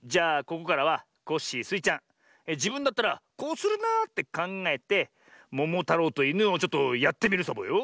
ここからはコッシースイちゃんじぶんだったらこうするなってかんがえてももたろうといぬをちょっとやってみるサボよ。